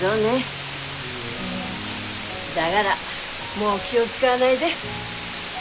だがらもう気を遣わないで。